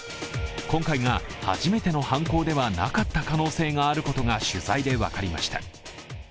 今回が初めての犯行ではなかった可能性があることが取材で分かりました。